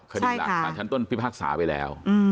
คดีหลักสารชั้นต้นพิพากษาไปแล้ว